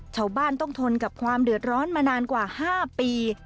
ชาวบ้านต้องทนกับความเดือดร้อนมานานกว่า๕ปี